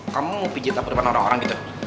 kamu pijet apa depan orang orang gitu